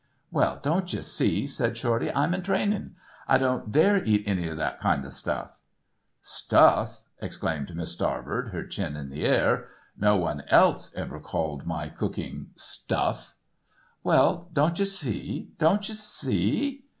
"Well, don't you see," said Shorty, "I'm in training. I don't dare eat any of that kinda stuff." "Stuff!" exclaimed Miss Starbird, her chin in the air. "No one else ever called my cooking stuff." "Well, don't you see, don't you see."